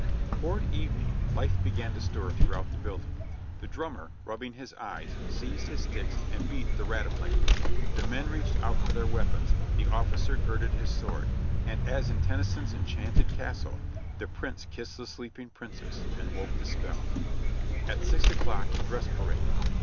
Toward evening life began to stir throughout the building; the drummer, rubbing his eyes, seized his sticks and beat the rata plan, the men reached out for their weapons, the officer girded his sword, and as in Tennyson's Enchanted Castle, the Prince kissed the sleeping princess and broke the spell. At six o'clock, dress parade.